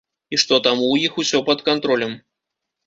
І што таму ў іх усё пад кантролем.